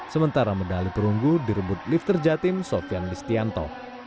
sementara medali perunggu direbut lifter jatim sofian listianto